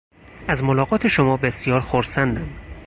از ملاقات شما بسیار خرسندم.